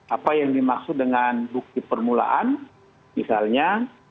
apa yang dimaksud dengan bukti permulaan misalnya